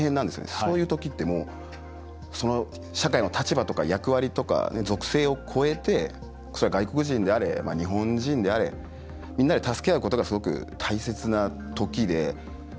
そういうときって、もうその社会の立場とか役割とか属性を超えて外国人であれ、日本人であれみんなで助け合うことがすごく大切なときで。